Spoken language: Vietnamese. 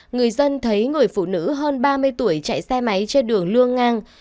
người dân thấy người phụ nữ hơn ba mươi tuổi chạy xe máy trên đường lương ngang